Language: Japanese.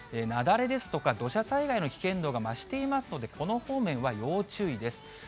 雪崩ですとか、土砂災害の危険度が増していますので、この方面は要注意です。